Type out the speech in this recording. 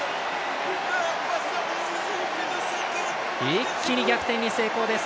一気に逆転に成功です！